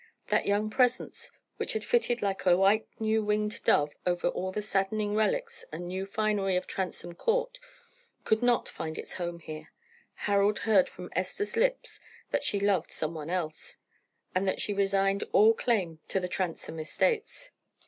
That young presence, which had flitted like a white new winged dove over all the saddening relics and new finery of Transome Court, could not find its home there. Harold heard from Esther's lips that she loved some one else, and that she resigned all claim to the Transome estates.